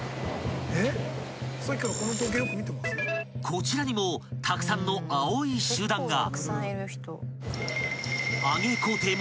［こちらにもたくさんの青い集団が］